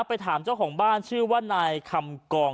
ไปถามเจ้าของบ้านชื่อว่านายคำกอง